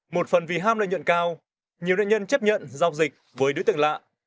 một phần vì ham lợi nhuận cao nhiều nạn nhân chấp nhận giao dịch với đối tượng lạ